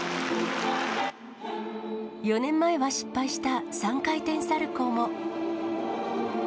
４年前は失敗した３回転サルコーも。